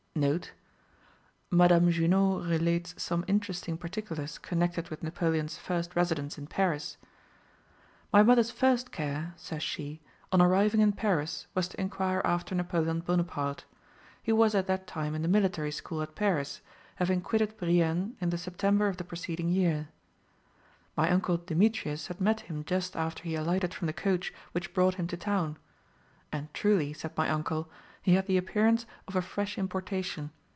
[Madame Junot relates some interesting particulars connected with Napoleon's first residence in Paris: "My mother's first care," says she, "on arriving in Paris was to inquire after Napoleon Bonaparte. He was at that time in the military school at Paris, having quitted Brienne in the September of the preceding year. "My uncle Demetrius had met him just after he alighted from the coach which brought him to town; 'And truly.' said my uncle, 'he had the appearance of a fresh importation.